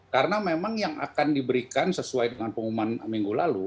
karena memang yang akan diberikan sesuai dengan pengumuman minggu lalu